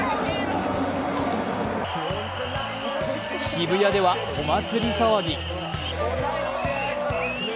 渋谷ではお祭騒ぎ。